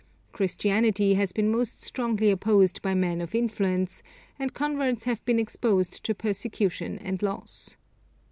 Christianity has been most strongly opposed by men of influence, and converts have been exposed to persecution and loss.